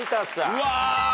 うわ。